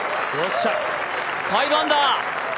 ５アンダー。